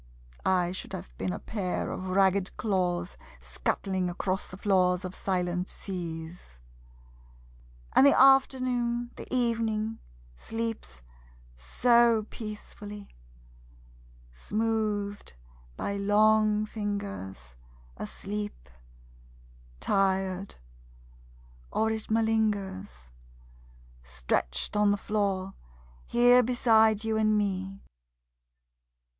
I should have been a pair of ragged claws Scuttling across the floors of silent seas. ......... And the afternoon, the evening, sleeps so peacefully! Smoothed by long fingers, Asleep... tired... or it malingers. Stretched on the floor, here beside you and me.